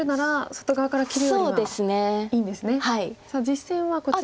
さあ実戦はこちら。